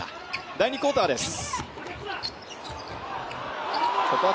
第２クオーターです。